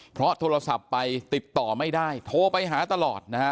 เพราะโทรศัพท์ไปติดต่อไม่ได้โทรไปหาตลอดนะฮะ